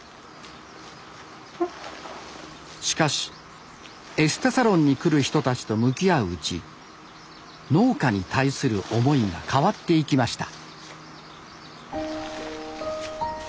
しかしエステサロンに来る人たちと向き合ううち農家に対する思いが変わっていきました。